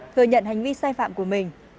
thừa nhận hành vi sai phạm của mình